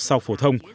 sau phổ thông